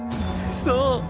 そう。